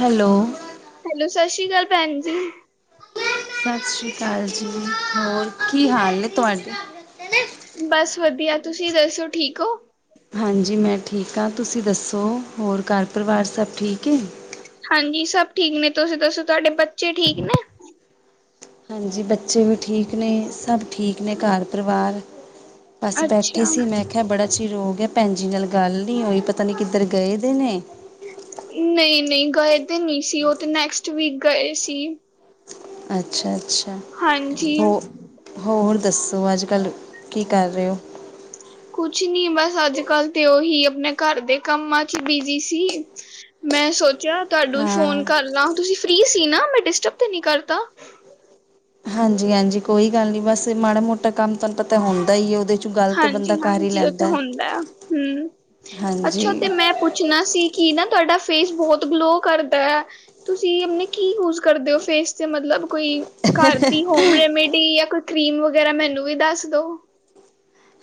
Hello hello ਸਸ ਸ੍ਰੀ ਕਾਲ ਭੈਣ ਜੀ। ਸਸ ਸ੍ਰੀ ਕਾਲ ਜੀ ਹੋਰ ਕੀ ਹਾਲ ਨੇ ਤੁਹਾਡੇ। ਬਸ ਵਧੀਆ ਤੁਸੀਂ ਦੱਸੋ ਠੀਕ ਹੋ? ਹਾਂਜੀ ਮੈਂ ਠੀਕ ਹਾਂ ਤੁਸੀਂ ਦੱਸੋ ਹੋਰ ਘਰ ਪਰਿਵਾਰ ਸਭ ਠੀਕ ਹੈ? ਹਾਂਜੀ ਸਭ ਠੀਕ ਨੇ ਤੁਸੀਂ ਦੱਸੋ ਤੁਹਾਡੇ ਬੱਚੇ ਠੀਕ ਨੇ? ਹਾਂਜੀ ਬੱਚੇ ਵੀ ਠੀਕ ਨੇ ਸਭ ਠੀਕ ਨੇ ਘਰ ਪਰਿਵਾਰ। ਬਸ ਬੈਠੀ ਅੱਛਾ ਸੀ ਮੈਂ ਕਿਹਾ ਬੜਾ ਚੀਰ ਹੋ ਗਿਆ ਭੈਣ ਜੀ ਨਾਲ ਗੱਲ ਨੀ ਹੋਈ ਪਤਾ ਨੀ ਕਿੱਧਰ ਗਏ ਦੇ ਨੇ। ਨਈਂ-ਨਈਂ ਗਏ ਤੇ ਨੀ ਸੀ ਉਹ ਤੇ ਨੈਕਸਟ ਵੀਕ ਗਏ ਸੀ। ਅੱਛਾ-ਅੱਛਾ ਹਾਂਜੀ ਹੋ ਹੋਰ ਦੱਸੋ ਅੱਜ ਕੱਲ੍ਹ ਕੀ ਕਰ ਰਹੇ ਹੋ? ਕੁਛ ਨੀ ਬਸ ਅੱਜ ਕੱਲ੍ਹ ਤੇ ਉਹੀ ਆਪਣੇ ਘਰ ਦੇ ਕੰਮਾਂ ਚ ਬਿਜੀ ਸੀ। ਮੈਂ ਸੋਚਿਆ ਤੁਹਾਨੂੰ ਫੋਨ ਹਾਂ ਕਰ ਲਾਂ ਤੁਸੀਂ ਫਰੀ ਸੀ ਨਾ, ਮੈਂ ਡਿਸਟਰਬ ਤੇ ਨੀ ਕਰਤਾ? ਹਾਂਜੀ-ਹਾਂਜੀ ਕੋਈ ਗੱਲ ਨੀ ਬਸ ਮਾੜਾ ਮੋਟਾ ਕੰਮ ਤਨ ਹੁੰਦਾ ਹੀ ਹੈ ਉਹਦੇ 'ਚ ਗੱਲ ਤਾਂ ਬੰਦਾ ਕਰ ਹੀ ਹਾਂਜੀ-ਹਾਂਜੀ ਉਹ ਤੇ ਲੈਂਦਾ ਹੁੰਦਾ ਹੂ ਅੱਛਾ ਹਾਂਜੀ, ਤੇ ਮੈਂ ਪੁੱਛਣਾ ਸੀ ਕਿ ਨਾ ਤੁਹਾਡਾ ਫੇਸ ਬਹੁਤ ਗਲੋ ਕਰਦਾ। ਤੁਸੀਂ ਆਪਣੇ ਕੀ ਯੂਜ ਕਰਦੇ ਹੋ ਫੇਸ ਤੇ ਮਤਲਬ ਕੋਈ ਘਰ ਦੀ ਹੋਮ ਰੈਮੇਡੀ ਜਾਂ ਕੋਈ ਕਰੀਮ ਵਗੈਰਾ ਮੈਨੂੰ ਵੀ ਦੱਸ ਦੋ।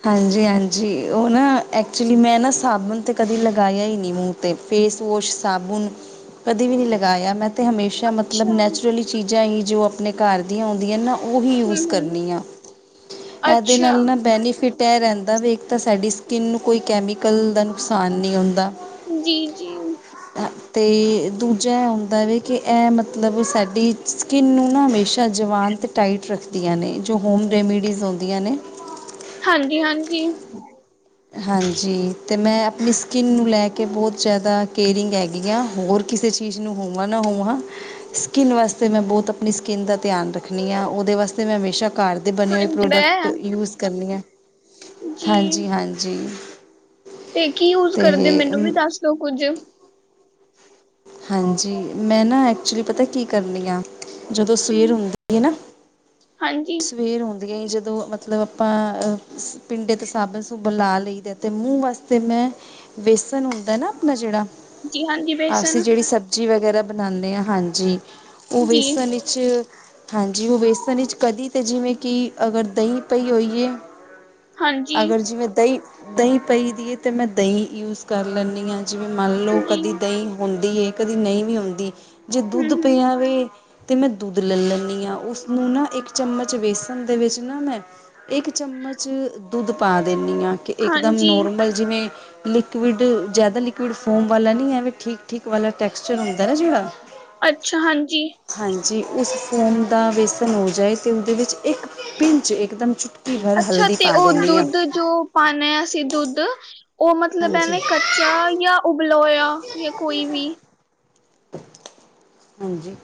ਹਾਂਜੀ-ਹਾਂਜੀ ਉਹ ਨਾ ਐਕਚੁਲੀ ਮੈਂ ਨਾ ਸਾਬਣ ਤੇ ਕਦੇ ਲਗਾਇਆ ਹੀ ਨੀ ਮੂੰਹ ਤੇ ਫੇਸ ਵੋਸ਼ ਸਾਬੁਨ ਕਦੇ ਵੀ ਨੀ ਲਗਾਇਆ ਮੈਂ ਤੇ ਹਮੇਸ਼ਾ ਮਤਲਬ ਅੱਛਾ ਹੂੰ ਨੈਚੁਰਲੀ ਚੀਜ਼ਾਂ ਹੀ ਜੋ ਆਪਣੇ ਘਰ ਦੀਆਂ ਹੁੰਦੀਆਂ ਨਾ ਉਹੀ ਯੂਜ ਹੂੰ ਕਰਨੀ ਆ, ਇਹਦੇ ਅੱਛਾ ਨਾਲ ਨਾ ਬੈਨੀ ਫਿਟ ਐ ਰਹਿੰਦਾ ਬਈ ਇਕ ਤਾਂ ਸਾਡੀ ਸਕਿੰਨ ਨੂੰ ਕੋਈ ਕੈਮੀਕਲ ਦਾ ਨੁਕਸਾਨ ਨੀ ਹੁੰਦਾ। ਜੀ-ਜੀ। ਤੇ ਦੂਜਾ ਏ ਹੁੰਦਾ ਵੇ ਕਿ ਇਹ ਮਤਲੱਬ ਸਾਡੀ ਸਕਿੰਨ ਨੂੰ ਨਾ ਹਮੇਸ਼ਾ ਜਵਾਨ ਤੇ ਟਾਈਟ ਰੱਖਦੀਆਂ ਨੇ ਜੋ ਹੋਮ ਰੈਮੀਡੀਜ਼ ਹੁੰਦੀਆਂ ਨੇ। ਹਾਂਜੀ-ਹਾਂਜੀ ਹਾਂਜੀ ਤੇ ਮੈਂ ਆਪਣੀ ਸਕਿੰਨ ਨੂੰ ਲੈ ਕੇ ਬੋਹਤ ਜਾਦਾ ਕੇਅਰਿੰਗ ਹੈਗੀ ਹਾਂ ਹੋਰ ਕਿਸੇ ਚੀਜ਼ ਨੂੰ ਹੋਵਾ ਨਾ ਹੋਵਾ। ਸਕਿੰਨ ਵਾਸਤੇ ਮੈਂ ਬੋਹਤ ਆਪਣੀ ਸਕਿੰਨ ਦਾ ਧਿਆਨ ਰੱਖਣੀ ਹਾਂ ਉਹਦੇ ਵਾਸਤੇ ਮੈਂ ਹਮੇਸ਼ਾ ਘਰ ਘਰ ਦੇ ਬਣੇ ਹੋਏ ਹਾਂਜੀ ਪ੍ਰੋਡਕਟ ਮੈਂ ਯੂਜ ਕਰਨੀ ਆ ਜੀ ਹਾਂਜੀ-ਹਾਂਜੀ। ਤੇ ਕੀ ਯੂਜ ਕਰਦੇ ਮੈਨੂੰ ਵੀ ਦੱਸ ਦੋ ਕੁੱਝ। ਹਾਂਜੀ ਮੈਂ ਨਾ ਐਕਚੁਲੀ ਪਤਾ ਕੀ ਕਰਨੀ ਆ ਜਦੋਂ ਸਵੇਰ ਹੁੰਦੀ ਹੈ ਨਾ ਹਾਂਜੀ ਸਵੇਰ ਹੁੰਦੀਆਂ ਹੀ ਜਦੋਂ ਮਤਲੱਬ ਆਪਾਂ ਅ ਪਿੰਡੇ ਤੇ ਸਾਬਣ- ਸੁੂਬਣ ਲਾ ਲਈ ਦਾ। ਅਤੇ ਮੂੰਹ ਵਾਸਤੇ ਮੈਂ ਬੇਸਣ ਹੁੰਦਾ ਨਾ ਆਪਣਾ ਜਿਹੜਾ ਜੀ ਹਾਂਜੀ ਅਸੀਂ ਬੇਸਨ ਜਿਹੜੀ ਸਬਜ਼ੀ ਵਗੈਰਾ ਬਣਾਨੇ ਹਾਂ ਹਾਂਜੀ ਉਹ ਜੀ ਵੇਸਣ ਵਿੱਚ ਚ ਹਾਂਜੀ ਉਹ ਵੇਸਣ ਵਿੱਚ ਕਦੀ ਤੇ ਜਿਵੇਂ ਕਿ ਅਗਰ ਦਈ ਪਈ ਹੋਈ ਏ ਹਾਂਜੀ ਅਗਰ ਜਿਵੇਂ ਦਈ ਦਈ ਪਈ ਦੀ ਏ ਤੇ ਮੈਂ ਦਈ ਯੂਜ ਕਰ ਲੈਨੀ ਹਾਂ ਜਿਵੇਂ ਮੰਨ ਲਉ ਜੀ ਕਦੀ ਹੂੰ ਦਈ ਹੁੰਦੀ ਏ। ਕਦੀ ਨਈ ਵੀ ਹੁੰਦੀ ਜੇ ਦੁੱਧ ਹੂੰ ਪਿਆ ਵੇ ਤੇ ਮੈਂ ਦੁੱਧ ਲੈ ਲੈਨੀ ਹਾਂ ਉਸਨੂੰ ਨਾ ਇੱਕ ਇਕ ਚਮੱਚ ਵੇਸਣ ਦੇ ਵਿੱਚ ਨਾ ਮੈਂ ਇੱਕ ਚਮੱਚ ਦੁੱਧ ਪਾ ਦਿੰਦੀ ਹਾਂ ਕਿ ਇੱਕਦਮ ਹਾਂਜੀ ਨੋਰਮਲ ਜਿਵੇਂ ਲਿਕਿਉਡ ਜਾਦਾ ਲਿਕਿਉਡ ਫੋਮ ਵਾਲਾ ਨੀ ਐਵੇਂ ਠੀਕ ਧੀਕ ਵਾਲਾ ਟੈਕਸਚਰ ਹੁੰਦਾ ਨਾ ਜਿਹਵੇ। ਅੱਛਾ ਹਾਂਜੀ ਹਾਂਜੀ, ਉਸ ਫੋਮ ਦਾ ਵੇਸਣ ਹੋ ਜਾਏ, ਅਤੇ ਉਹਦੇ ਵਿੱਚ ਇੱਕ ਪਿੰਚ ਇੱਕਦਮ। ਭਰ ਅੱਛਾ, ਹਲਦੀ ਤੇ ਪਾ ਉਹ ਦਿੰਦੀ ਹਾਂ ਦੁੱਧ ਜੋ ਪਾਣੇ ਅਸੀ ਦੁੱਧ ਉਹ ਮਤਲੱਬ ਹਾਂਜੀ ਐਵੇਂ ਕੱਚਾ ਕੱਚਾ ਜਾਂ ਉਬਲਿਆ ਹੋਇਆ ਜਾਂ ਕੋਈ ਵੀ? ਹਾਂਜੀ।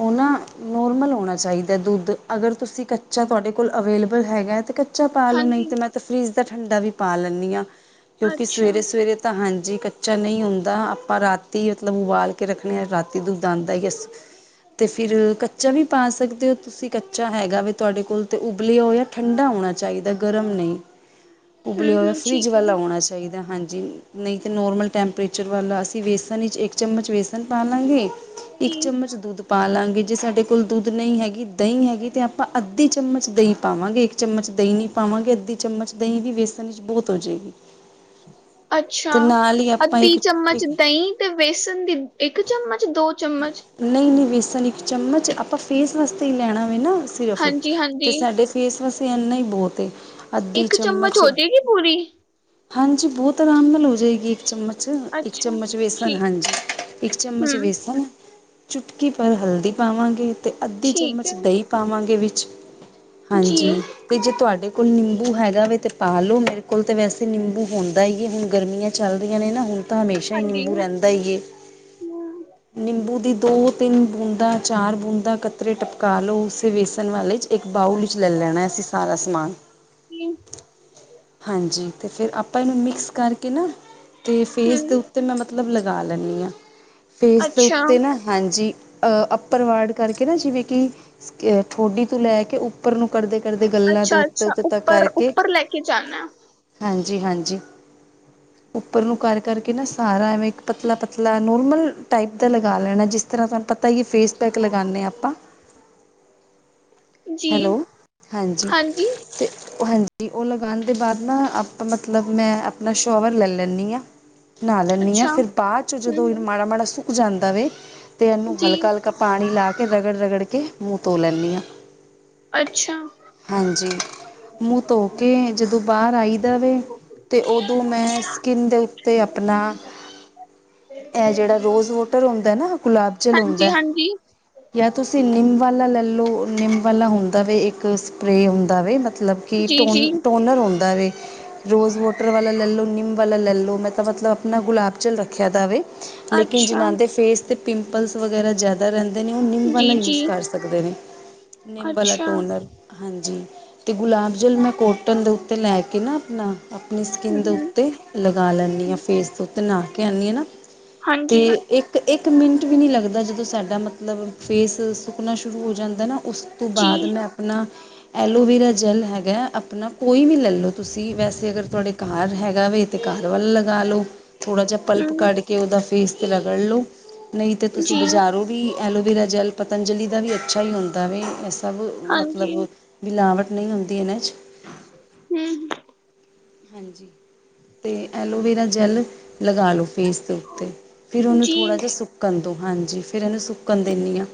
ਓ ਨਾ ਨੋਰਮਲ ਹੋਣਾ ਚਾਈਦਾ ਦੁੱਧ ਅਗਰ ਤੁਸੀਂ ਕੱਚਾ ਤੁਆਡੇ ਕੋਲ ਅਵੇਲੇਬਲ ਹੈਗਾ ਤੇ ਕੱਚਾ ਕੱਚਾ ਪਾ ਲਉ ਨਈ ਹਾਂਜੀ ਤਾਂ ਮੈਂ ਤਾਂ ਫਰਿਜ਼ ਦਾ ਠੰਡਾ ਵੀ ਪਾ ਲੈਂਨੀ ਆ ਕਿਉਂਕਿ ਅੱਛਾ ਸਵੇਰੇ ਸਵੇਰੇ ਤਾਂ, ਹਾਂਜੀ ਕੱਚਾ ਨਹੀਂ ਹੁੰਦਾ, ਆਪਾਂ ਰਾਤੀ ਮਤਲੱਬ ਉਬਾਲ ਕੇ ਰੱਖਣੇ ਆਂ ਰਾਤੀ ਦੁੱਧ ਦੰਦ ਆਈ ਐਸ ਤੇ ਫਿਰ ਕੱਚਾ ਵੀ ਪਾ ਸਕਦੇ ਓ ਤੁਸੀਂ ਕੱਚਾ ਹੈਗਾ ਵੀ ਤੁਹਾਡੇ ਕੋਲ, ਤੇ ਉਬਲਿਆ ਹੋਇਆ ਠੰਡਾ ਹੋਣਾ ਚਾਹੀਦਾ ਗਰਮ ਨਹੀਂ। ਹੂੰ ਉਬਲਿਆ ਹੋਇਆ ਹੂੰ ਫਰਿੱਜ ਠੀਕ ਹੈ ਵਾਲਾ ਹੋਣਾ ਚਾਈਦਾ ਹਾਂਜੀ ਨਹੀਂ ਤਾਂ ਨੋਰਮਲ ਟੈਂਪਰੇਚਰ ਵਾਲਾ ਅਸੀਂ ਵੇਸਣ ਵਿੱਚ ਇੱਕ ਚਮਚ ਵੇਸਣ ਪਾ ਲਾਂਗੇ ਇੱਕ ਜੀ ਚਮੱਚ ਦੁੱਧ ਪਾ ਲਾਗੇ ਜੇ ਸਾਡੇ ਕੋਲ ਦੁੱਧ ਨਹੀਂ ਹੈਗੀ, ਦਹੀ ਹੈਗੀ ਤੇ ਆਪਾਂ ਅੱਧੀ ਚਮੱਚ ਦਹੀ ਪਾਵਾਂਗੇ ਇੱਕ ਚਮੱਚ ਦਹੀਂ ਨੀ ਪਾਵਾਂਗੇ ਅੱਧੀ ਚਮੱਚ ਦਈ ਦੀ ਵੇਸਣ ਵਿਚ ਬੋਤ ਹੋ ਜੇਗੀ। ਅੱਛਾ ਅੱਧੀ ਚਮੱਚ ਇੱਕ ਦਈ ਤੇ ਵੇਸਣ ਦੀ ਇੱਕ ਚੱਮਚ, ਦੋ ਚੱਮਚ ਨਹੀਂ-ਨਹੀਂ ਵੇਸਨ ਇੱਕ ਚੱਮਚ। ਆਪਾਂ ਫੇਸ ਵਾਸਤੇ ਈ ਲੈਣਾ ਵੇ ਨਾ। ਠੀਕ ਐ ਫਿਰ ਹਾਂਜੀ ਤੇ ਹਾਂਜੀ ਸਾਡੇ ਫੇਸ ਵਾਸਤੇ ਐਨਾ ਹੀ ਬਹੁਤ, ਅੱਧੀ ਇੱਕ ਚਮਚ ਹੋ ਜਾਏਗੀ ਪੂਰੀ ਹਾਂਜੀ ਬੋਤ ਆਰਾਮ ਨਾਲ ਹੋ ਜਾਏਗੀ ਇੱਕ ਚਮਚ 'ਚ, ਇੱਕ ਅੱਛਾ ਚਮਚ ਬੇਸਨ, ਠੀਕ ਹੈ ਹਾਂਜੀ। ਇੱਕ ਚਮਚ ਹੂੰ ਬੇਸਨ ਚੁੱਟਕੀ ਭਰ ਹਲਦੀ ਪਾਵਾਂਗੇ ਤੇ ਅੱਧੀ ਠੀਕ ਹੈ ਚਮਚ ਦਈ ਪਾਵਾਂਗੇ ਵਿੱਚ ਜੀ ਹਾਂਜੀ, ਤੇ ਜੇ ਤੁਹਾਡੇ ਕੋਲ ਨਿੰਬੂ ਹੈਗਾ ਵੇ ਤੇ ਪਾ ਲੋ। ਮੇਰੇ ਕੋਲ ਤਾਂ ਵੈਸੇ ਨਿੰਬੂ ਹੁੰਦਾ ਈ ਏ। ਹੁਣ ਗਰਮੀਆਂ ਚੱਲਦੀਆਂ ਨੇ ਨਾ। ਹੁਣ ਤਾਂ ਹਮੇਸ਼ਾ ਈ ਹਾਂਜੀ ਨਿੰਬੂ ਰਹਿੰਦਾ ਈ ਏ। [inaudible] ਨਿੰਬੂ ਦੀ ਦੋ-ਤਿੰਨ ਬੂੰਦਾ, ਚਾਰ ਬੂੰਦਾ, ਕਤਰੇ ਟਪਕਾ ਲ‌ਓ। ਉਸੇ ਵੇਸਣ ਵਾਲੇ 'ਚ ਇੱਕ ਬਾਊਲ ਵਿੱਚ ਲੈ ਲੈਣਾ, ਅਸੀਂ ਸਾਰਾ ਸਮਾਨ। ਜੀ ਹਾਂਜੀ ਤੇ ਫਿਰ ਆਪਾਂ ਇਹਨੂੰ ਮਿਕਸ ਕਰਕੇ ਨਾ ਤੇ ਫੇਸ ਦੇ ਹੂੰ ਉੱਤੇ ਮੈਂ ਮਤਲਬ ਲਗਾ ਲੈਂਦੀ ਆਂ। ਫੇਸ ਦੇ ਅੱਛਾ ਉੱਤੇ ਨਾ ਹਾਂਜੀ ਅੱਪਰ ਵਰਡ ਕਰਕੇ ਨਾ ਜਿਵੇਂ ਕਿ ਠੋਡੀ ਤੋਂ ਲੈ ਕੇ ਉਪ ਰ ਨੂੰ ਕਰਦੇ-ਕਰਦੇ ਗੱਲਾਂ ਦੇ ਅੱਛਾ ਅੱਛਾ ਉੱਤੇ-ਉਤੇ ਤਕ ਉੱਪਰ ਕਰਕੇ ਉੱਪਰ ਲੈ ਕੇ ਜਾਣਾ ਹਾਂਜੀ-ਹਾਂਜੀ ਉੱਪਰ ਨੂੰ ਕਰ ਕਰਕੇ ਨਾ ਸਾਰਾ ਐਵੇਂ ਇੱਕ ਪਤਲਾ-ਪਤਲਾ ਨੋਰਮਲ ਟਾਈਪ ਦਾ ਲਗਾ ਲੈਣਾ। ਜਿਸ ਤਰ੍ਹਾਂ ਤੁਹਾਨੂੰ ਪਤਾ ਹੀ ਫੇਸ ਪੈਕ ਲਗਾਦੇ ਹਾਂ। ਆਪਾਂ ਹੈਲੋ ਜੀ ਹਾਂਜੀ ਤੇ ਹਾਂਜੀ ਉਹ ਲਗਾਣ ਦੇ ਬਾਅਦ ਨਾ ਆਪਾਂ ਮਤਲਬ ਮੈਂ ਆਪਣਾ ਸ਼ੋਵਰ ਲੈ ਲੈਂਨੀ ਆ। ਨਾਂਅ ਲੈਨੀ ਆ ਅੱਛਾ, ਫਿਰ ਬਾਚ ਜਦੋਂ ਏਨੂੰ ਹੂੰ, ਮਾੜਾ-ਮਾੜਾ ਸੁੱਕ ਜਾਂਦਾ ਵੇ ਤੇ ਐਨੂੰ ਜੀ, ਹਲਕਾ-ਹਲਕਾ ਪਾਣੀ ਲਾ ਕੇ ਰਗੜ-ਰਗੜ ਕੇ ਮੂੰਹ ਧੋ ਲੈਂਨੀ ਆ। ਅੱਛਾ। ਹਾਂਜੀ, ਮੂੰਹ ਧੋ ਕੇ ਜਦੋਂ ਬਾਹਰ ਆਈ ਦਾ ਵੇ। ਤੇ ਓਦੋਂ ਮੈਂ ਸਕਿੰਨ ਦੇ ਉੱਤੇ ਆਪਣਾ ਇਹ ਜਿਹੜਾ [inaudible] ਰੋਜ਼ ਵੋਟਰ ਹੁੰਦਾ ਨਾ, ਗੁਲਾਬ ਜਲ ਹੁੰਦਾ, ਹਾਂਜੀ-ਹਾਂਜੀ, ਜਾਂ ਤੁਸੀਂ ਨਿੰਮ ਵਾਲਾ ਲੈ ਲਓ। ਨਿੰਮ ਵਾਲਾ ਹੁੰਦਾ ਵੇ ਇੱਕਸ ਟਰੇ ਹੁੰਦਾ ਵੇ, ਮਤਲਬ ਕਿ ਜੀ-ਜੀ, ਟੋਨਰ ਹੁੰਦਾ ਵੇ। ਰੋਜ਼ ਵੋਟਰ ਵਾਲਾ ਲੈ ਲਓ, ਨਿੰਮ ਵਾਲਾ ਲੈ ਲਉ, ਮੈਂ ਤਾਂ ਮਤਲਬ ਆਪਣਾ ਗੁਲਾਬਜਲ ਰੱਖਿਆ ਦਾ ਵੇ। ਲੇਕਿਨ ਅੱਛਾ, ਜਿਨ੍ਹਾਂ ਦੇ ਫੇਸ 'ਤੇ ਪਿੰਪਲਸ ਵਗੈਰਾ ਜ਼ਿਆਦਾ ਰਹਿੰਦੇ ਨੇ, ਉਹ ਨਿੰਮ ਵਾਲਾ ਜੀ-ਜੀ, ਯੂਜ਼ ਕਰ ਸਕ ਸਕਦੇ ਨੇ, ਨਿੰਮ ਵਾਲਾ ਅੱਛਾ, ਟੋਨਰ। ਹਾਂਜੀ, ਤੇ ਗੁਲਾਬ ਜਲ ਮੈਂ ਕੋਟਨ ਦੇ ਉੱਤੇ ਲੈ ਕੇ ਨਾ ਆਪਣਾ ਆਪਣੀ ਸਕਿੰਨ ਦੇ ਹੂੰ, ਉੱਤੇ ਲਗਾ ਲੈਂਦੀ ਹਾਂ ਫੇਸ ਦੇ ਉੱਤੇ, ਨਹਾ ਕੇ ਆਉਂਦੀ ਹਾਂ ਨਾ ਹਾਂਜੀ, ਤੇ- ਇੱਕ-ਇੱਕ ਮਿੰਟ ਵੀ ਨਹੀਂ ਲੱਗਦਾ, ਜਦੋਂ ਸਾਡਾ ਮਤਲਬ ਫੇਸ ਸੁੱਕਣਾ ਸ਼ੁਰੂ ਹੋ ਜਾਂਦਾ ਨਾ ਉਸ ਤੋਂ ਜੀ, ਬਾਅਦ ਮੈਂ ਆਪਣਾ ਐਲੋਵੇਰਾ ਜੈਲ ਹੈਗਾ, ਆਪਣਾ ਕੋਈ ਵੀ ਲ ਲੋ ਤੁਸੀਂ, ਵੈਸੇ ਅਗਰ ਤੁਹਾਡੇ ਕਾਰ ਹੈਗਾ ਵ ਤੇ ਕਾਰ ਵੱਲ ਲਗਾ ਲਓ, ਥੋੜਾ ਜਿਹਾ ਪਲਪ ਹੂੰ, ਕੱਢ ਕੇ ਕਿ ਉਹਦਾ ਫੇਸ 'ਰਗੜ ਲਉ, ਨਹੀਂ ਤਾਂ ਤੁਸੀਂ ਜੀ, ਬਜ਼ਾਰੋ ਵੀ ਐਲੋਵੇੀਰਾ ਜੈਲ ਪਤੰਜਲੀ ਦਾ ਵੀ ਅੱਛਾ ਹੀ ਹੁੰਦਾ ਵ। ਇਹ ਸਭ ਹਾਂਜੀ, ਮਤਲਬ ਮਿਲਾਵਟ ਨਹੀਂ ਹੁੰਦੀ ਇਹਨਾਂ 'ਚ- ਹੂ- ਹਾਂਜੀ, ਤੇ ਐਲੋਵੇਰਾ ਜੈੱਲ ਲਗਾ ਲਓ। ਫੇਸ 'ਤੇ ਉਤੇ, ਫਿਰ ਉਹਨੂੰ ਜੀ, ਥੋੜ੍ਹਾ ਜਿਹਾ ਸੁੱਕਣ ਦਿਉ। ਹਾਂਜੀ, ਫਿਰ ਉਹਨੂੰ ਸੁੱਕਣ ਦਿੰਦੀ ਹਾਂ।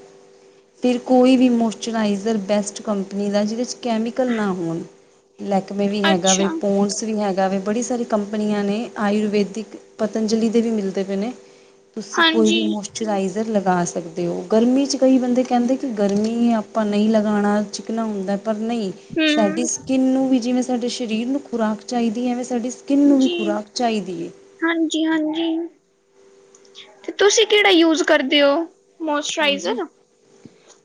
ਫਿਰ ਕੋਈ ਵੀ ਮੋਇਸਚਰਾਈਜਰ ਬੈਸਟ ਕੰਪਨੀ ਦਾ, ਜਿਹਦੇ ਵਿੱਚ ਕੈਮੀਕਲ ਨਾ ਹੋਣ, ਲੈਕਮੇ ਵੀ ਹੈਗਾ ਵੀ, ਅੱਛਾ, ਪੋ ਵੀ ਹੈਗਾ ਵ, ਬੜੀ ਸਾਰੀ ਕੰਪਨੀਆਂ ਨੇ ਆਯੁਰਵੇੈਦਿਕ, ਪਤੰਜਲੀ ਦੇ ਵੀ ਮਿਲਦੇ ਪਏ ਨੇ। ਤੁਸੀਂ ਕੋਈ ਵੀ ਹਾਂਜੀ, ਮੋਸ਼ਰ ਮਕਚੁਰਾਈਜ਼ਰ ਲਗਾ ਸਕਦੇ ਹੋ। ਗਰਮੀ 'ਚ ਕਈ ਬੰਦੇ ਕਹਿੰਦੇ ਕਿ ਗਰਮੀ ਆਪਾਂ ਨਹੀਂ ਲਗਾਉਣਾ ਚਿਕਣਾ ਹੁੰਦਾ, ਪਰ ਨਹੀਂ ਸਾਡੀ ਹੂੰ, ਸਕਿੰਨ ਨੂੰ ਵੀ, ਜਿਵੇਂ ਸਾਡੇ ਸਰੀਰ ਨੂੰ ਖੁਰਾਕ ਚਾਹੀਦੀ ਹੈ ਐਵੇਂ ਸਾਡੀ ਸਕਿੰਨ ਨੂੰ ਵੀ ਖੁਰਾਕ ਚਾਹੀਦੀ ਏ। ਹਾਂਜੀ ਹਾਂਜੀ, ਤੇ ਤੁਸੀਂ ਕਿਹੜਾ ਯੂਜ ਕਰਦੇ ਹੋ? ਹਾਂਜੀ। ਮੋਇਸਚਰਾਈਜ਼ਰ,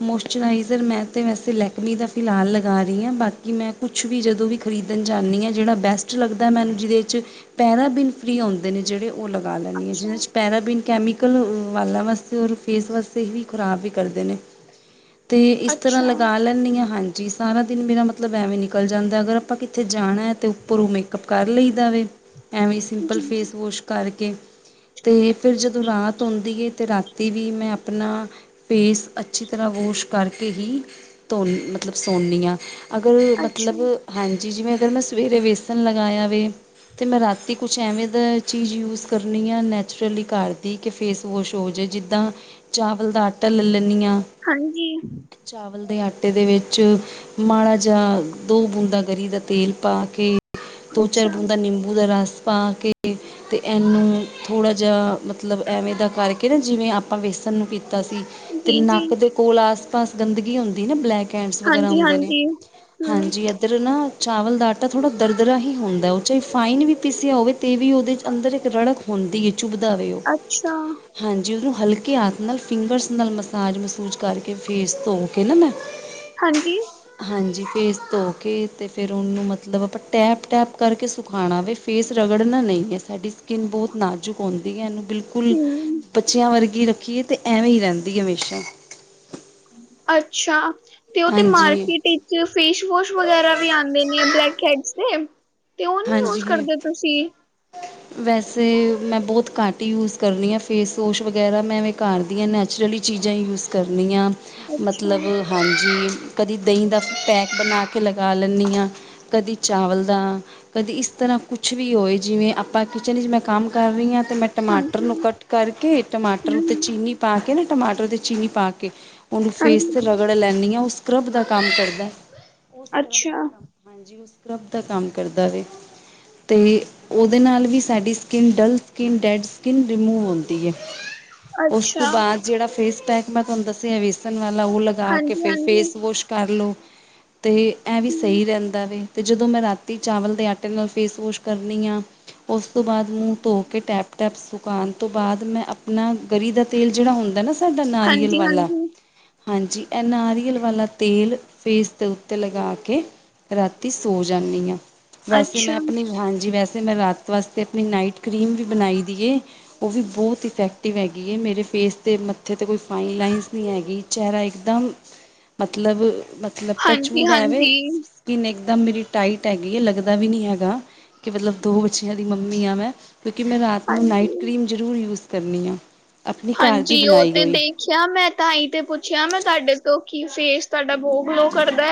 ਮੋਸਚਰਾਈਜਰ ਮੈਂ ਤੇ ਵੈਸੇ ਲੈਕਮੀ ਦਾ ਫਿਲਹਾਲ ਲਗਾ ਰਹੀ ਹਾਂ, ਬਾਕੀ ਮੈਂ ਕੁਛ ਕੁਛ ਵੀ ਜਦੋਂ ਵੀ ਖਰੀਦਣ ਜਾਂਦੀ ਹਾਂ, ਜਿਹੜਾ ਬੈਸਟ ਲੱਗਦਾ ਮੈਨੂੰ ਜਿਹਦੇ 'ਚ ਪੈਰਾ ਬੀਨ ਫਰੀ ਆਉਂਦੇ ਨੇ ਜਿਹੜੇ ਉਹ ਲਗਾ ਲੈਂਦੀ ਹਾਂ। ਜਿਹਨ੍ਹਾਂ ਅੱਛਾ, 'ਚ ਪੈਰਾਬੀਨ ਕੈਮੀਕਲ ਵਾਲਾਂ ਵਾਸਤੇ ਔਰ ਫੇਸ ਵਾਸਤੇ ਵੀ ਖੁਰਾਬ ਵੀ ਕਰਦੇ ਨੇ, ਤੇ ਇਸ ਤਰ੍ਹਾਂ ਅੱਛਾ, ਲਗਾ ਲੈਂਦੀ ਹਾਂ, ਹਾਂਜੀ ਜੀ, ਸਾਰਾ ਦਿਨ ਮੇਰਾ ਮਤਲਬ ਐਵੇਂ ਨਿਕਲ ਜਾਂਦਾ, ਅਗਰ ਆਪਾਂ ਕਿੱਥੇ ਜਾਣਾ ਹੈ ਤਾਂ ਉੱਪਰੋਂ ਮੇਕਅਪ ਕਰ ਲਈ ਦਾ ਵੇ। ਐਵੇਂ ਸਿੰਪਲ ਜੀ, ਫੇਸਵੋਸ਼ ਕਰਕੇ, ਤੇ ਫਿਰ ਜਦੋਂ ਰਾਤ ਹੁੰਦੀ ਹੈ ਅਤੇ ਰਾਤੀ ਵੀ ਮੈਂ ਆਪਣਾ ਫੇਸ, ਅੱਛੀ ਤਰ੍ਹਾਂ ਵੋਸ਼ ਕਰਕੇ ਹੀ ਤੋ ਮਤਲਬ ਸੌਨੀ ਹਾਂ। ਅਗਰ ਅੱਛਾ, ਮਤਲਬ ਹਾਂਜੀ, ਜਿਵੇਂ ਅਗਰ ਮੈਂ ਸਵੇਰੇ ਵੇਸਣ ਲਗਾਇਆਵੇ ਅਤੇ ਮੈਂ ਰਾਤੀ ਕੁਛ ਐਵੇਂ ਦਾ ਚੀਜ਼ ਯੂਜ ਕਰਨੀ ਆ, ਨੈਚੁਰਲੀ ਘਰ ਦੀ ਕਿ ਫੇਸਵੋਸ਼ ਹੋ ਜਾਵੇ, ਜਿੱਦਾਂ ਚਾਵਲ ਦਾ ਆਟਾ ਲੈ ਲੈਂਦੀ ਹਾਂ। ਹਾਂਜੀ। ਚਾਵਲ ਦੇ ਆਟੇ ਦੇ ਵਿੱਚ ਮਾੜਾ ਜਿਹਾ, ਦੋ ਬੂੰਦਾ ਗਰੀ ਦਾ ਤੇਲ ਪਾ ਕੇ ਦੋ ਚਾਰ ਅੱਛਾ ਬੂੰਦਾ ਨਿੰਬੂ ਦਾ ਰਸ ਪਾ ਕੇ, ਤੇ ਇਹਨੂੰ ਥੋੜ੍ਹਾ ਜਿਹਾ ਮਤਲਬ ਐਵੇਂ ਦਾ ਕਰਕੇ ਨਾ, ਜਿਵੇਂ ਆਪਾਂ ਵੇਸਣ ਨੂੰ ਕੀਤਾ ਸੀ ਤੇ ਜੀ ਜੀ ਨੱਕ ਦੇ ਕੋਲ ਆਸ ਪਾਸ ਗੰਦਗੀ ਹੁੰਦੀ ਨਾ, ਬਲੈਕ ਹੈਂਡਸ ਵਗੈਰਾ ਹਾਂਜੀ ਹੁੰਦੇ ਨੇ, ਹਾਂਜੀ ਹਮ ਹਾਂਜੀ ਇੱਧਰ ਨਾ ਚਾਵਲ ਦਾ ਆਟਾ ਥੋੜ੍ਹਾ ਦਰਦਰਾ ਹੀ ਹੁੰਦਾ ਉਹ ਚਾਹੇ ਫਾਈਨ ਵੀ ਪੀਸਿਆ ਹੋਵੇ, ਤੇ ਵੀ ਉਹਦੇ ਅੰਦਰ ਇੱਕ ਰੜਕ ਹੁੰਦੀ ਹੈ ਚੁਭਦਾਵੇ ਉਹ ਅੱਛਾ ਹਾਂਜੀ ਉਹਨੂੰ ਹਲਕੇ ਆ ਨਾਲ ਫਿੰਗਰਸ ਨਾਲ ਮਸਾਜ ਮਸੂਜ ਕਰਕੇ ਫੇਸ ਧੋ ਕੇ ਨਾ ਮੈਂ ਹਾਂਜੀ। ਹਾਂਜੀ ਫੇਸ ਧੋ ਕੇ ਤੇ ਫਿਰ ਉਹਨੂੰ ਮਤਲਬ ਆਪਾਂ ਟੈਪ, ਟੈਪ ਕਰਕੇ ਖਾਣਾ ਵੇ ਫੇਸ ਰਗੜਨਾ ਨਹੀਂ ਸਾਡੀ ਸਕਿੰਨ ਬਹੁਤ ਨਾਜ਼ੁਕ ਹੁੰਦੀ ਹੈ ਇਹਨੂੰ ਬਿਲਕੁਲ ਹਮ ਬੱਚਿਆਂ ਵਰਗੀ ਰੱਖੀਏ ਤੇ ਐਵੇਂ ਹੀ ਰਹਿੰਦੀ ਹੈ ਹਮੇਸ਼ਾ। ਅੱਛਾ ਤੇ ਉਹ ਤੇ ਹਾਂਜੀ ਮਾਰਕੀਟ ਹੀ ਫੇਸ਼ ਵੋਸ਼ ਵਗੈਰਾ ਵੀ ਆਉਂਦੇ ਨੇ ਬਲੈਕ ਹੈਡਸ ਤੇ ਤੇ ਉਹ ਨੀ ਯੂਜ ਹਾਂਜੀ ਕਰਦੇ ਤੁਸੀਂ। [inaudible] ਵੈਸੇ ਮੈਂ ਬਹੁਤ ਘੱਟ ਹੀ ਯੂਜ ਕਰਨੀ ਹਾਂ ਫੇਸਵੋਸ਼ ਵਗੈਰਾ ਮੈਂ ਘਰ ਦੀ ਹਾਂ ਨੈਚੁਰਲੀ ਚੀਜ਼ਾਂ ਯੂਜ ਕਰਨੀਆਂ ਅੱਛਾ ਮਤਲਬ ਹਾਂਜੀ ਕਦੀ ਦਹੀਂ ਦਾ ਪੈਕ ਬਣਾ ਕੇ ਲਗਾ ਲੈਂਦੀ ਹਾਂ। ਕਦੀ ਚਾਵਲ ਦਾ ਕਦੀ ਇਸ ਤਰ੍ਹਾਂ ਕੁਛ ਵੀ ਹੋਏ ਜਿਵੇਂ ਆਪਾਂ ਕਿਚਨ ਚ ਮੈਂ ਕੰਮ ਕਰ ਰਹੀ ਹਾਂ ਤੇ ਮੈਂ ਟਮਾਟਰ ਨੂੰ ਹਾਂਜੀ ਕੱਟ ਕਰਕੇ ਟਮਾਟਰ ਉੱਤੇ ਹਮ ਚੀਨੀ ਪਾ ਕੇ ਤੇ ਟਮਾਟਰ ਤੇ ਚੀਨੀ ਪਾ ਕੇ ਉਨੂੰ ਫੇਸ ਹਾਂਜੀ 'ਤੇ ਰਗੜ ਲੈਂਦੀ ਹਾਂ ਉਹ ਸਕਰਬ ਦਾ ਕੰਮ ਕਰਦਾ। ਉਹ ਸਕਰਬ ਦਾ ਅੱਛਾ ਕੰਮ ਹਾਂਜੀ ਉਹ ਸਕਰਬ ਦਾ ਕੰਮ ਕਰਦਾ ਵੇ। ਤੇ ਉਹਦੇ ਨਾਲ ਵੀ ਸਾਡੀ skin dull skin dead skin remove ਹੁੰਦੀ ਏ। ਉਸ ਤੋਂ ਅੱਛਾ ਬਾਅਦ ਜਿਹੜਾ ਫੇਸ ਪੈਕ ਮੈਂ ਤੁਹਾਨੂੰ ਦੱਸਿਆ ਵੇਸਨ ਵਾਲਾ ਉਹ ਲਗਾ ਕੇ ਹਾਂਜੀ ਫਿਰ ਹਾਂਜੀ ਫੇਸ ਵੋਸ਼ ਕਰ ਲਓ ਤੇ ਐ ਵੀ ਹਮ ਸਹੀ ਰਹਿੰਦਾ ਵੇ ਅਤੇ ਜਦੋਂ ਮੈਂ ਰਾਤੀ ਚਾਵਲ ਦੇ ਆਟਾ ਫੇਸਵਾਸ਼ ਕਰਨੀ ਹਾਂ। ਉਸ ਤੋਂ ਬਾਅਦ ਮੂੰਹ ਧੋ ਕੇ ਟੈਪ, ਟੈਪ ਸੁਕਾਉਣ ਤੋਂ ਬਾਅਦ ਮੈਂ ਆਪਣਾ ਗਰੀ ਦਾ ਤੇਲ ਜਿਹੜਾ ਹੁੰਦਾ ਨਾ ਸਾਡਾ ਨਾਰੀਅਲ ਹਾਂਜੀ ਵਾਲਾ ਹਾਂਜੀ ਹਾਂਜੀ ਇਹ ਨਾਰੀਅਲ ਵਾਲਾ ਤੇਲ ਫੇਸ ਦੇ ਉੱਤੇ ਲਗਾ ਕੇ ਰਾਤੀ ਸੌ ਜਾਂਦੀ ਹਾਂ। ਵੈਸੇ ਮੈਂ ਅੱਛਾ ਆਪਣੀ ਹਾਂਜੀ ਵੈਸੇ ਮੈਂ ਰਾਤ ਵਾਸਤੇ ਆਪਣੀ ਨਾਈਟ ਕਰੀਮ ਵੀ ਬਣਾਈ ਦੀ ਏ। ਉਹ ਵੀ ਬਹੁਤ ਇਫੈਕਟਿਵ ਹੈਗੀ ਹੈ ਮੇਰੇ ਫੇਸ 'ਤੇ ਮੱਥੇ 'ਤੇ ਕੋਈ। ਫਾਈਨ ਲਾਇੰਸ ਨਹੀਂ ਹੈਗੀ, ਚਿਹਰਾ ਇਕਦਮ ਮਤਲਬ ਟੱਚ ਹਾਂਜੀ ਬੁੱਡ ਐਵੇਂ ਹਾਂਜੀ ਸਕਿੰਨ ਇੱਕਦਮ ਮੇਰੀ ਟਾਈਟ ਹੈਗੀ ਹੈ ਲੱਗਦਾ ਵੀ ਨਹੀਂ ਹੈਗਾ ਕਿ ਮਤਲਬ ਦੋ ਬੱਚਿਆਂ ਦੀ ਮੰਮੀ ਆਂ ਮੈਂ ਕਿਉਂਕਿ ਮੈਂ ਰਾਤ ਨੂੰ ਨਾਈਟ ਹਾਂਜੀ ਕਰੀਮ ਜ਼ਰੂਰ ਯੂਜ਼ ਕਰਨੀ ਆ ਆਪਣੀ ਘਰ ਦੀ ਹਾਂਜੀ ਉਹ ਬਣਾਈ ਤੇ ਹੋਈ। ਦੇਖਿਆ ਮੈਂ ਤਾਂ ਹੀ ਤੇ ਪੁੱਛਿਆ ਮੈਂ ਤੁਹਾਡੇ ਤੋਂ ਕੀ ਫੇਸ ਤੁਹਾਡਾ ਬਹੁਤ ਗਲੋ ਹਾਂਜੀ ਕਰਦਾ।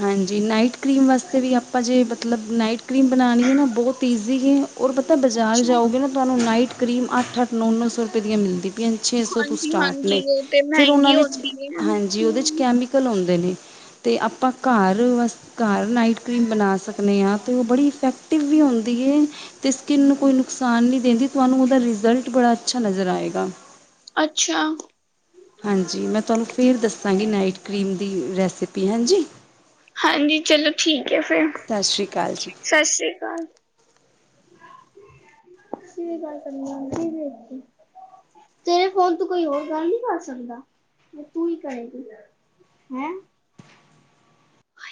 ਹਾਂਜੀ, ਨਾਈਟ ਕਰੀਮ ਵਾਸਤੇ ਵੀ ਆਪਾਂ ਜੇ ਮਤਲਬ ਨਾਈਟ ਕਰੀਮ ਬਣਾਣੀ ਹੈ ਨਾ ਬਹੁਤ ਸੀਗੇ ਔਰ ਪਤਾ ਬਾਜ਼ਾਰ ਅੱਛਾ ਜਾਓਗੇ ਨਾ ਤੁਹਾਨੂੰ ਨਾਈਟ ਕਰੀਮ ਅੱਠ, ਅੱਠ ਨੌ, ਨੌ ਸੌ ਰੁਪਏ ਦੀਆਂ ਮਿਲਦੀ ਛੇ ਸੌ ਤੋਂ ਹਾਂਜੀ ਸਟਾਰਟ ਹਾਂਜੀ ਨੇ ਉਹ ਤੇ ਫਿਰ ਉਹਨਾਂ ਮਹਿੰਗੀ ਵਿੱਚ ਹੁੰਦੀ ਹੈ ਹਾਂਜੀ ਹਮ। ਉਹਦੇ'ਕੈਮੀਕਲ ਹੁੰਦੇ ਨੇ। ਤੇ ਆਪਾਂ ਘਰ ਵਸ ਘਰ ਨਾਈਟ ਕਰੀਮ ਬਣਾ ਸਕਦੇ ਹਾਂ ਤੇ ਉਹ ਬੜੀ ਇਫੈਕਟ- ਇਫੈਕਟ ਵੀ ਹੁੰਦੀ ਏ। ਤੇ ਸਕਿੰਨ ਨੂੰ ਕੋਈ ਨੁਕਸਾਨ ਨਹੀਂ ਦਿੰਦੀ ਤੁਹਾਨੂੰ ਉਹਦਾ ਰਿਜ਼ਲਟ ਬੜਾ ਅੱਛਾ ਨਜ਼ਰ ਆਏਗਾ। ਅੱਛਾ। ਹਾਂਜੀ, ਮੈਂ ਤੁਹਾਨੂੰ ਫਿਰ ਦੱਸਾਂਗੀ ਨਾਈਟ ਕਰੀਮ ਦੀ ਰੈਸਪੀ ਹਾਂਜੀ। ਹਾਂਜੀ ਚਲੋ ਠੀਕ ਹੈ ਫਿਰ। 'ਸਤਿ ਸ਼੍ਰੀ ਅਕਾਲ ਜੀ'। 'ਸਤਿ ਸ਼੍ਰੀ ਅਕਾਲ'। ਦੀ ਗੱਲ ਕਰਨੀ ਆ, ਉਨਦੀ ਵਖਦੀ। ਤੇਰੇ ਫੋਨ ਤੋਂ ਕੋਈ ਹੋਰ ਗੱਲ ਨਹੀਂ ਕਰ ਸਕਦਾ। ਤੇ ਤੂੰ ਹੀ ਕਰੇਗੀ। ਹੈਂ।